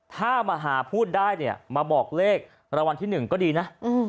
ถ้ามหาพูดได้เนี่ยมาบอกเลขรวรรณที่หนึ่งก็ดีนะ